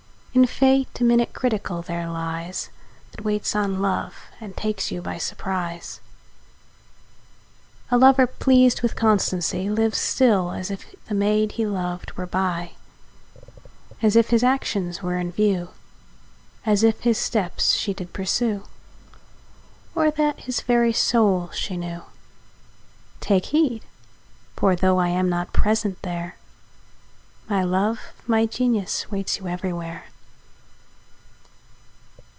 In Fate a minute critical there lies, That waits on love, and takes you by surprise. A lover pleased with constancy, Lives still as if the maid he loved were by: As if his actions were in view, As if his steps she did pursue; Or that his very soul she knew. Take heed; for though I am not present there, My love, my Genius waits you everywhere.